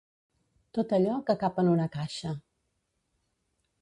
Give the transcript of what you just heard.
Tot allò que cap en una caixa.